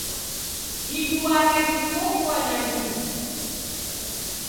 Diduagha dikiobua nandighi.